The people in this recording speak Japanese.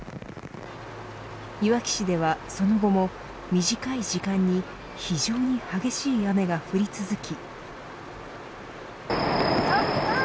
いわき市では、その後も短い時間に非常に激しい雨が降り続き。